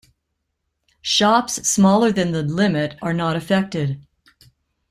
Shops smaller than the limit are not affected.